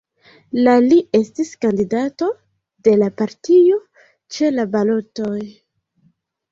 La li estis kandidato de la partio ĉe la balotoj.